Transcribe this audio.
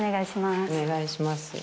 お願いします。